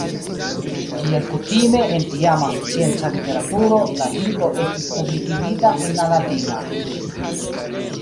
Kiel kutime en tiama scienca literaturo, la libro estis publikigita en la latina.